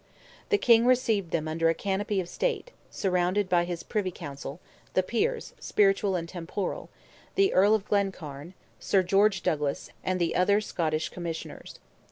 The King received them under a canopy of state, surrounded by his Privy Council, the peers, spiritual and temporal, the Earl of Glencairn, Sir George Douglas, and the other Scottish Commissioners.